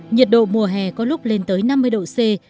nhiệt độ mùa hè có lúc lên tới năm mươi độ c